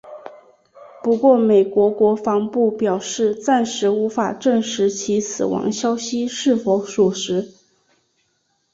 不过美国国防部表示暂时无法证实其死亡消息是否属实。